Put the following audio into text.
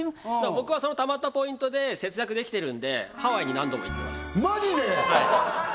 僕はその貯まったポイントで節約できてるんでハワイに何度も行ってますマジで！？